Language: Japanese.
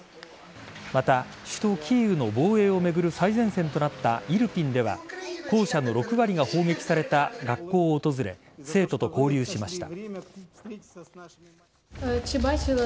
また、首都・キーウの防衛を巡る最前線となったイルピンでは校舎の６割が砲撃された学校を訪れ生徒と交流しました。